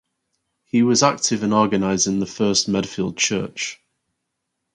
He was active in organizing the first Medfield church.